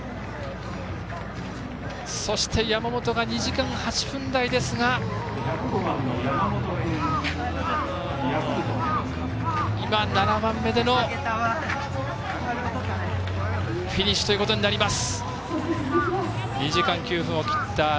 そして、山本が２時間８分台ですが７番目でのフィニッシュということになりました。